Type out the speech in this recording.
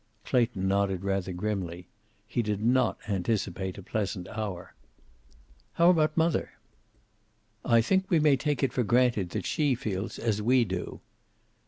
Clayton nodded rather grimly. He did not anticipate a pleasant hour. "How about mother?" "I think we may take it for granted that she feels as we do."